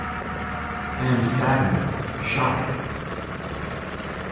I am saddened, shocked.